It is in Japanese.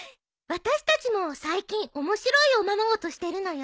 私たちも最近面白いおままごとしてるのよ。